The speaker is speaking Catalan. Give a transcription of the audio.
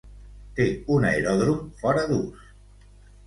Té un aeròdrom fora d'ús.